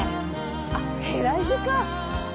あっヘラジカ。